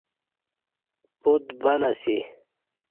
پوت بند اسی